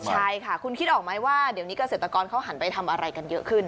ใช่ค่ะคุณคิดออกไหมว่าเดี๋ยวนี้เกษตรกรเขาหันไปทำอะไรกันเยอะขึ้น